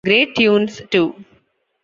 Great tunes too.